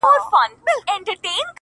حالاتو داسې جوارې راسره وکړله چي _